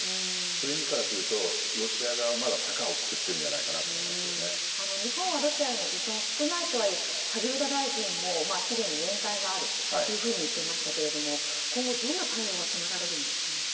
そういう意味からするとロシア側は高をくくっているのではないかと日本はロシアへの依存が少ないとはいえ萩生田大臣も資源に限界があるというふうに言っていましたけれども今後、どんな対応が迫られるんですかね。